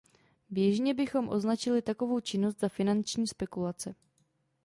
Běžně bychom označili takovou činnost za finanční spekulace.